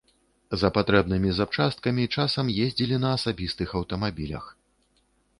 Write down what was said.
За патрэбнымі запчасткамі часам ездзілі на асабістых аўтамабілях.